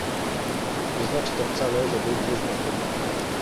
"Nie znaczy to wcale, że był próżniakiem."